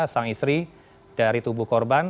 sang istri dari tubuh korban